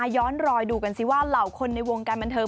ย้อนรอยดูกันสิว่าเหล่าคนในวงการบันเทิง